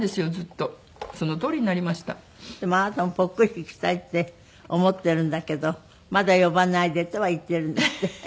でもあなたもポックリ逝きたいって思ってるんだけど「まだ呼ばないで」とは言ってるんですって？